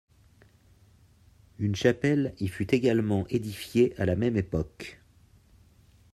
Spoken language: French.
Une chapelle y fut également édifiée à la même époque.